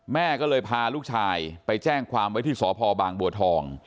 แม่ก็เลยพาลูกชายไปแจ้งความไว้ที่สพบางบัวทอง